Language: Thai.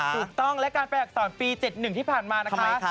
ใช่แล้วการแปลอักษรปี๗๑ที่ผ่านมานะคะ